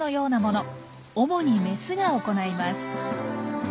主にメスが行います。